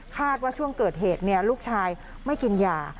คาดว่าช่วงเกิดเหตุเนี่ยลูกชายไม่กินยา